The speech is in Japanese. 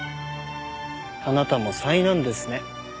あなたも災難ですね